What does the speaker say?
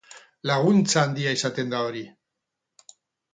Laguntza handia izaten da hori.